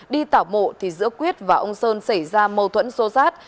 đi tảo mộ thì giữa quyết và ông sơn xảy ra mâu thuẫn sô sát